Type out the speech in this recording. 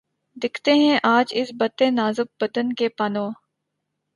دکھتے ہیں آج اس بتِ نازک بدن کے پانو